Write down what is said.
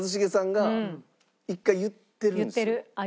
言ってる鮎。